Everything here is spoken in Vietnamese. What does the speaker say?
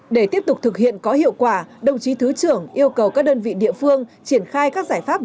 để tiếp tục thực hiện có hiệu quả đồng chí thứ trưởng yêu cầu các đơn vị địa phương triển khai các giải pháp